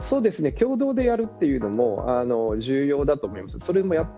共同でやるというのも重要だと思います。